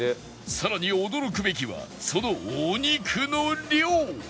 さらに驚くべきはそのお肉の量